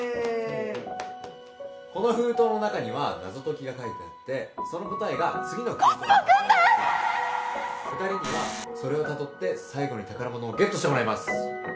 この封筒の中には謎解きが書いてあってその答えがコスモくんだ２人にはそれをたどって最後に宝物をゲットしてもらいます